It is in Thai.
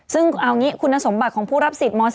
ซึ่งเอางี้คุณสมบัติของผู้รับสิทธิม๒